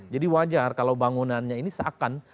jadi wajar kalau bangunannya ini seakan